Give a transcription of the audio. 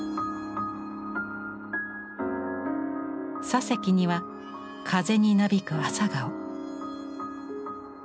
左隻には風になびく朝顔。